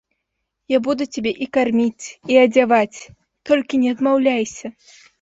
Я буду цябе і карміць і адзяваць, толькі не адмаўляйся.